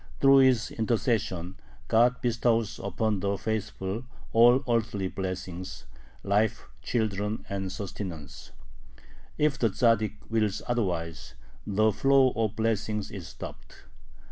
Through his intercession God bestows upon the faithful all earthly blessings "life, children, and sustenance"; if the Tzaddik wills otherwise, the flow of blessings is stopped.